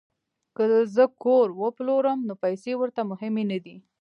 که زه کور وپلورم نو پیسې ورته مهمې نه دي